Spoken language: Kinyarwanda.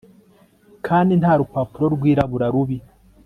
Kandi nta rupapuro rwirabura rubi